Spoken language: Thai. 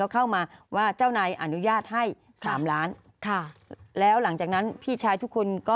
เข้ามาว่าเจ้านายอนุญาตให้สามล้านค่ะแล้วหลังจากนั้นพี่ชายทุกคนก็